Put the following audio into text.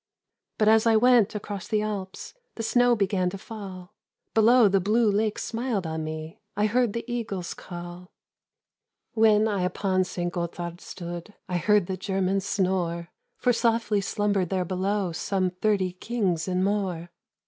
"But as I went across the Alps, The snow began to fall; Below, the blue lakes smiled on me; I heard the eagles call. "When I upon St. Gothard stood, I heard the Germans snore; For softly slumbered there below Some thirty kings and more.